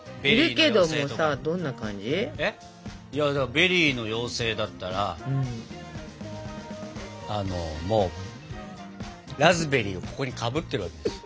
ベリーの妖精だったらラズベリーをここにかぶってるわけですよ。